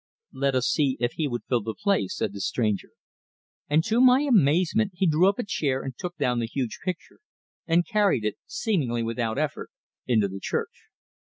"Let us see if he would fill the place," said the stranger; and to my amazement he drew up a chair, and took down the huge picture, and carried it, seemingly without effort, into the church.